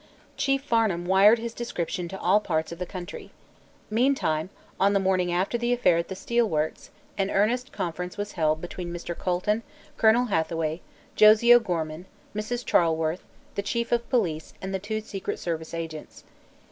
Chief Farnum wired his description to all parts of the country. Meantime, on the morning after the affair at the steel works, an earnest conference was held between Mr. Colton, Colonel Hathaway, Josie O'Gorman, Mrs. Charleworth, the Chief of Police and the two secret service agents.